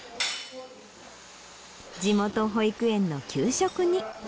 地元保育園の給食に。